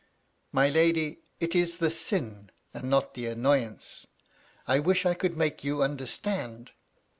'*" My lady, it is the sin, and not the annoyance. I wish I could make you understand."